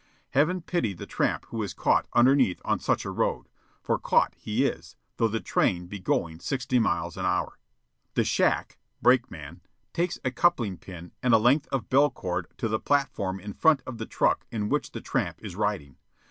Heaven pity the tramp who is caught "underneath" on such a road for caught he is, though the train be going sixty miles an hour. The "shack" (brakeman) takes a coupling pin and a length of bell cord to the platform in front of the truck in which the tramp is riding.